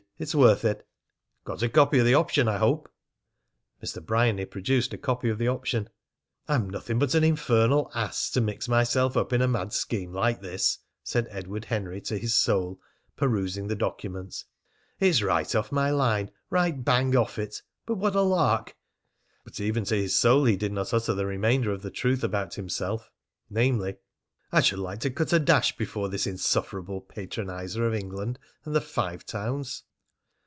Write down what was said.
It's worth it!" "Got a copy of the option, I hope!" Mr. Bryany produced a copy of the option. "I am nothing but an infernal ass to mix myself up in a mad scheme like this," said Edward Henry to his soul, perusing the documents. "It's right off my line, right bang off it. But what a lark!" But even to his soul he did not utter the remainder of the truth about himself, namely, "I should like to cut a dash before this insufferable patroniser of England and the Five Towns."